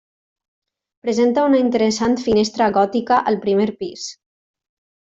Presenta una interessant finestra gòtica al primer pis.